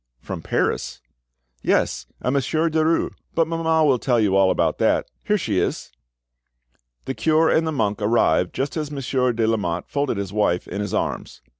"From Paris?" "Yes, a Monsieur Derues. But mamma will tell you all about that. Here she is." The cure and the monk arrived just as Monsieur de Lamotte folded his wife in his arms.